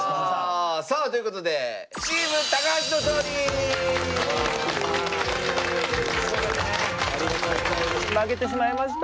さあということで負けてしまいました。